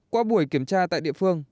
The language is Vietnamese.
qua buổi kiểm tra tại địa phương